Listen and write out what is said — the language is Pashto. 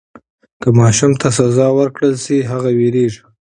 که ماشوم ته سزا ورکړل سي هغه وېرېږي.